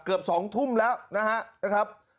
เกือบ๒ทุ่มแล้วนะครับ